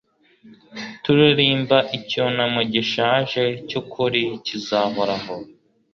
turirimba icyunamo gishaje, cyukuri, kizahoraho